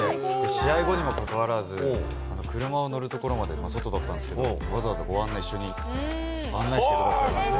試合後にもかかわらず、車を乗る所まで、ちょっとだったんですけど、わざわざご案内、一緒に案内してくださいまして。